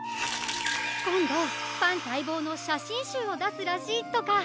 こんどファンたいぼうのしゃしんしゅうをだすらしいとか。